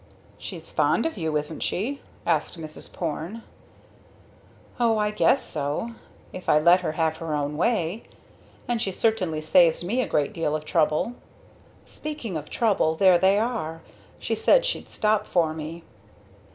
"She's fond of you, isn't she?" asked Mrs. Porne. "O I guess so if I let her have her own way. And she certainly saves me a great deal of trouble. Speaking of trouble, there they are she said she'd stop for me."